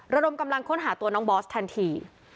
ระดมกำลังค้นหาตัวน้องบอสทันที